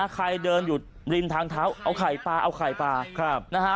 ใครเดินอยู่ริมทางเท้าเอาไข่ปลานะฮะ